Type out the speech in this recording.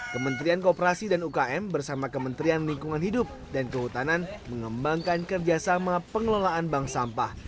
kementerian kooperasi dan ukm bersama kementerian lingkungan hidup dan kehutanan mengembangkan kerjasama pengelolaan bank sampah